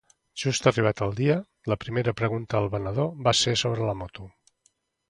Just arribat el dia, la primera pregunta al venedor va ser sobre la moto.